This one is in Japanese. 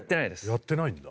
やってないです。